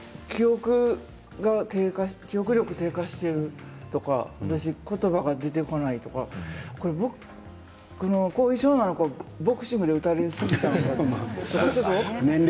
記憶力が低下というのは言葉が出てこないとか後遺症なのかボクシングで打たれすぎたのか。